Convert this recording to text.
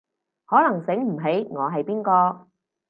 可能醒唔起我係邊個